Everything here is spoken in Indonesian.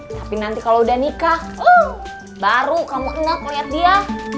tapi nanti kalo udah nikah baru kamu enak liat dia